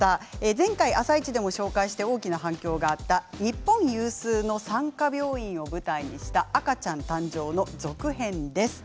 前回「あさイチ」でも紹介して大きな反響があった日本有数の産科病院を舞台にした「赤ちゃん誕生」の続編です。